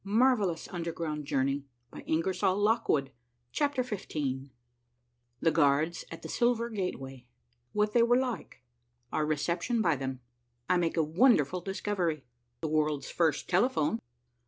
A MARVELLOUS UNDERGROUND JOURNEY 91 CHAPTER XV THE GUARDS AT THE SILVER GATEWAY. — WHAT THEY WERE LIKE. — OUR RECEPTION BY THEM. — I MAKE A WONDERFUL DISCOVERY. — THE WORLD'S FIRST TELEPHONE.